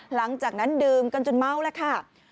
หลังจากนั้นดื่มกันจนเมาแล้วค่ะ